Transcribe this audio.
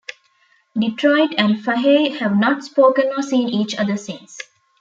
Detroit and Fahey have not spoken or seen each other since.